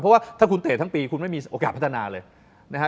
เพราะว่าถ้าคุณเตะทั้งปีคุณไม่มีโอกาสพัฒนาเลยนะฮะ